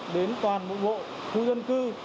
đến toàn bộ khu dân cư